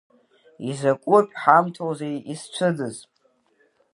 Изакәытә ҳамҭоузеи исцәыӡыз.